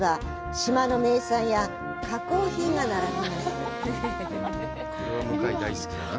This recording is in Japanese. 島の名産や加工品が並びます。